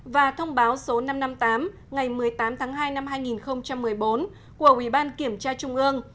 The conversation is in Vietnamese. và thông báo số năm trăm năm mươi tám ngày một mươi tám tháng hai năm hai nghìn một mươi bốn của ủy ban kiểm tra trung ương